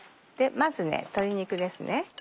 まず鶏肉ですね。